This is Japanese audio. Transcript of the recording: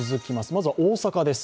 まずは大阪です。